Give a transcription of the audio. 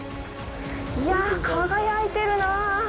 いやぁ、輝いてるなぁ！